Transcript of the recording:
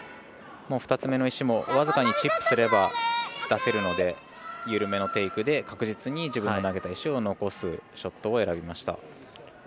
２つ目の石も僅かにチップすれば出せるので緩めのテイクで確実に自分の投げた石を残すショットを選びました。